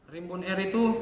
rimbun air itu